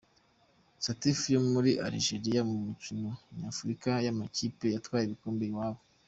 Sétif yo muri Algeria mu mikino nyafurika y’amakipe yatwaye ibikombe iwabo.